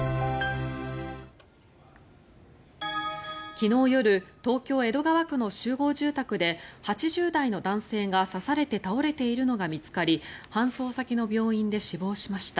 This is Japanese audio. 昨日夜東京・江戸川区の集合住宅で８０代の男性が刺されて倒れているのが見つかり搬送先の病院で死亡しました。